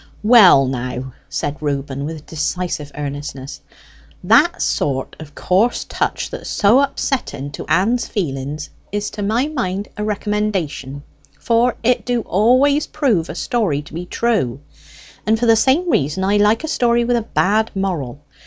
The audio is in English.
"Well, now," said Reuben, with decisive earnestness, "that sort o' coarse touch that's so upsetting to Ann's feelings is to my mind a recommendation; for it do always prove a story to be true. And for the same reason, I like a story with a bad moral.